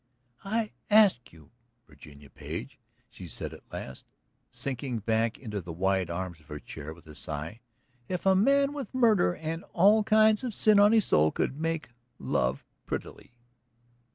"I just ask you, Virginia Page," she said at last, sinking back into the wide arms of her chair with a sigh, "if a man with murder and all kinds of sin on his soul could make love prettily?"